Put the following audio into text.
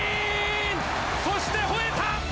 そしてほえた！